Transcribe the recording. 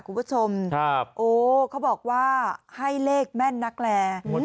คุณผู้ชมครับโอ้เขาบอกว่าให้เลขแม่นนักแรหมดที่แล้ว